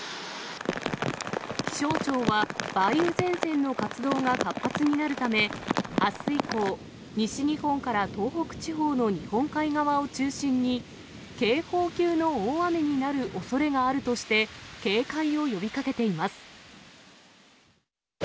気象庁は、梅雨前線の活動が活発になるため、あす以降、西日本から東北地方の日本海側を中心に、警報級の大雨になるおそれがあるとして、警戒を呼びかけています。